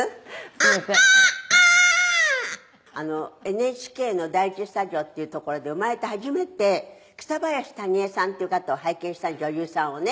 「ＮＨＫの第１スタジオっていう所で生まれて初めて北林谷栄さんっていう方を拝見したの女優さんをね」